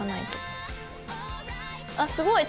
あっすごい！